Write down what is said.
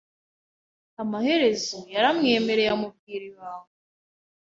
Amaherezo, yaramwemereye amubwira ibanga.